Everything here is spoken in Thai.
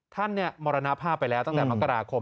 ท่านมรณภาพไปแล้วตั้งแต่พลังกราคม